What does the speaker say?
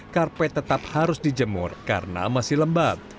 karpet tetap harus dijemur karena masih lembab